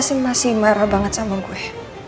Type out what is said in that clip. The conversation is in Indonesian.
gue tau lo masih marah banget sama gue